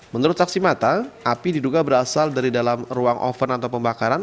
menurut saksi mata api diduga berasal dari dalam ruang oven atau pembakaran